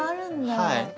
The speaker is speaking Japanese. はい。